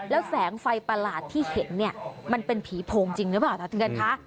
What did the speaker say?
แล้วแสงไฟประหลาดที่เห็นเนี่ยมันเป็นผีโพงจริงหรือเปล่าคะเทือนคะ